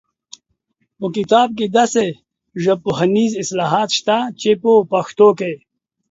په کتاب کې داسې ژبپوهنیز اصطلاحات شته چې په پښتو کې